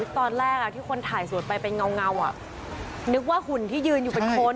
ตอนแรกที่คนถ่ายสวดไปเป็นเงานึกว่าหุ่นที่ยืนอยู่เป็นคน